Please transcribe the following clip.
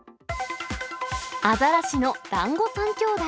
アザラシのだんご３兄弟。